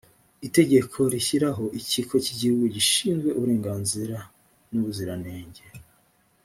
itegeko rishyiraho ikigo cy’igihugu gishinzwe ubugenzuzi n’ubuziranenge